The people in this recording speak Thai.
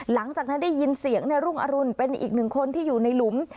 หลังจากนั้นได้ยินเสียงในรุ่งอรุณเป็นอีกหนึ่งคนที่อยู่ในหลุม